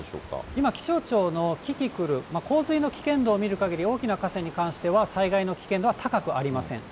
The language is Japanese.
今、気象庁のキキクル、洪水の危険度を見るかぎり、大きな河川に関しては、災害の危険度は高くありません。